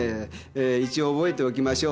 えー一応覚えておきましょう。